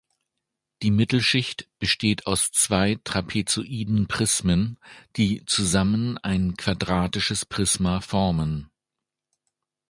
Die Mittelschicht besteht aus zwei trapezoiden Prismen, die zusammen ein quadratisches Prisma formen.